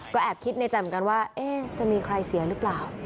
ก็แอบคิดในใจเหมือนกันว่าจะมีใครเสียหรือเปล่า